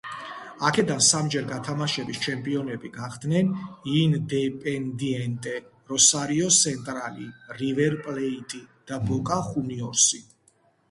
აქედან სამჯერ გათამაშების ჩემპიონები გახდნენ „ინდეპენდიენტე“, „როსარიო სენტრალი“, „რივერ პლეიტი“ და „ბოკა ხუნიორსი“.